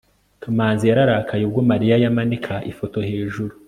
kamanzi yararakaye ubwo mariya yamanika ifoto hejuru